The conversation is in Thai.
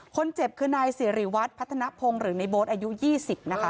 คนเจ็บคือนายสิริวัตรพัฒนภงหรือในโบ๊ทอายุ๒๐นะคะ